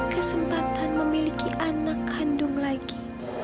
kesempatan memiliki anak kandung lagi